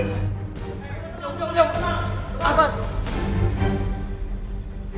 eh tenang tenang tenang